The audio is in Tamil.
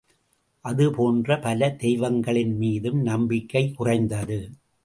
அது போன்ற பல தெய்வங்களின் மீதும் நம்பிக்கைக் குறைந்தது.